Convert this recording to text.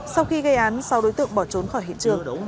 sau khi gây án sau đối tượng bỏ trốn khỏi hiện trường